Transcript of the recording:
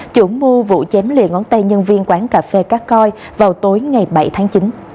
chủ mưu vụ chém liền ngón tay nhân viên quán cà phê các coi vào tối ngày bảy tháng chín